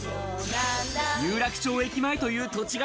有楽町駅前という土地柄、